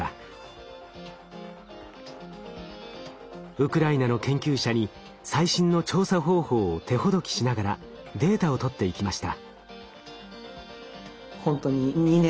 ウクライナの研究者に最新の調査方法を手ほどきしながらデータを取っていきました。